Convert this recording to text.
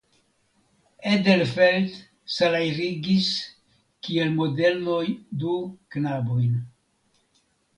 Edelfelt salajrigis kiel modeloj du knabojn.